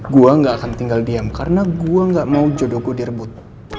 gue gak akan tinggal diam karena gue gak mau jodoh gue direbut